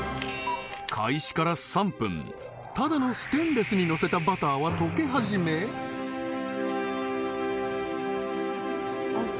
開始から３分ただのステンレスに乗せたバターは溶け始めあっ